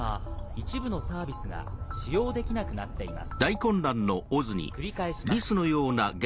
一部のサービスが使用できなくなっています。